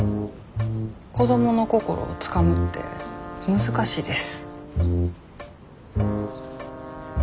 子どもの心をつかむって難しいです。